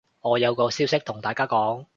我有個消息同大家講